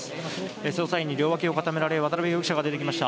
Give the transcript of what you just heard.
捜査員に両脇を固められ渡邉容疑者が出てきました。